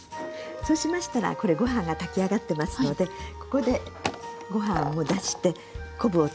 そうしましたらこれご飯が炊き上がってますのでここでご飯をもう出して昆布を取り出します。